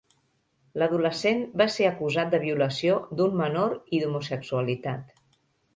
L'adolescent va ser acusat de violació d'un menor i d'homosexualitat.